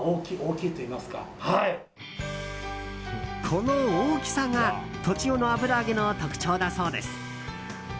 この大きさが栃尾の油揚げの特徴だそうです。